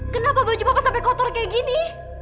kenapa baju bakal sampai kotor kayak gini